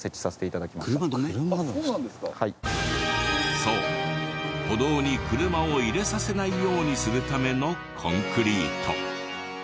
そう歩道に車を入れさせないようにするためのコンクリート。